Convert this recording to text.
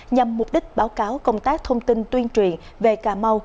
nhằm mục đích báo cáo công tác thông tin tuyên truyền về cà mau